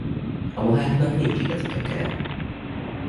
A moháknak nincs igazi gyökere.